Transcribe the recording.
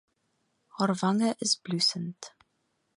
Haar wange is bloesend.